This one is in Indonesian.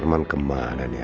arman kemana nih